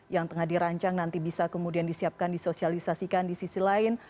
yang tengah dirancang nanti bisa kemudian disiapkan disosialisasikan di sisi lain